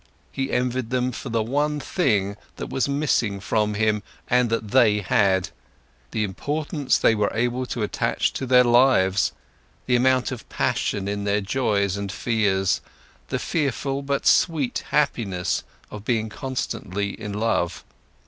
He envied them for the one thing that was missing from him and that they had, the importance they were able to attach to their lives, the amount of passion in their joys and fears, the fearful but sweet happiness of being constantly in love.